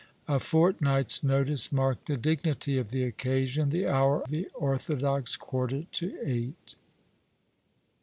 A fortnight's notice marked the dignity of the occasion — the hour the orthodox quarter to eight.